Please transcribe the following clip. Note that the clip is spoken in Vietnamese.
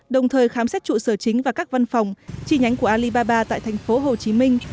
đồng thời khám xét trụ sở chính và các văn phòng chi nhánh của alibaba tại thành phố hồ chí minh